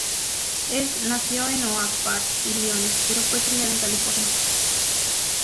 Nació en Oak Park, Illinois, pero fue criada en California.